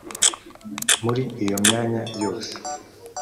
muri iyo myanya yose